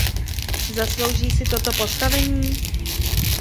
Zaslouží si toto postavení?